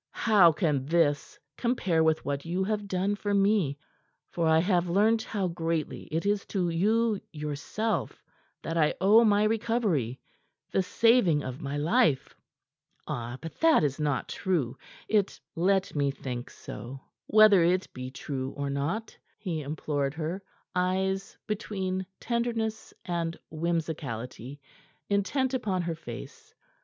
"How can this compare with what you have done for me? For I have learnt how greatly it is to you, yourself, that I owe my recovery the saving of my life." "Ah, but that is not true. It " "Let me think so, whether it be true or not," he implored her, eyes between tenderness and whimsicality intent upon her face.